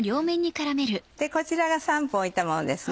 こちらが３分おいたものですね。